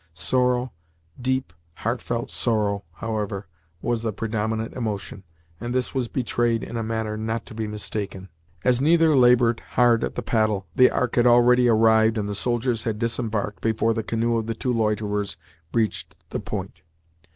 Sorrow, deep, heart felt sorrow, however, was the predominant emotion, and this was betrayed in a manner not to be mistaken. As neither labored hard at the paddle, the ark had already arrived and the soldiers had disembarked before the canoe of the two loiterers reached the point.